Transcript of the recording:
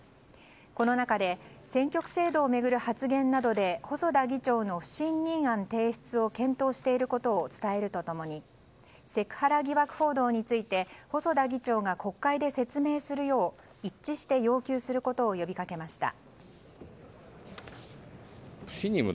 この中で選挙区制度を巡る発言などで細田議長の不信任案提出を検討していることを伝えると共にセクハラ疑惑報道について細田議長が国会で説明するよう一致して要求することを呼びかけました。